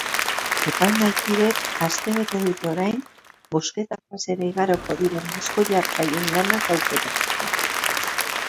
Epaimahaikideek astebete dute orain bozketa fasera igaroko diren disko-jartzaileen lanak aukeratzeko.